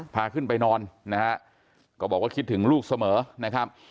พาขึ้นไปนอนนะฮะก็บอกว่าคิดถึงลูกเสมอนะครับ